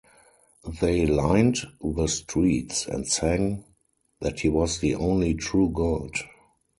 They lined the streets and sang that he was the only true god.